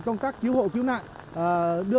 công tác cứu hộ cứu nạn đưa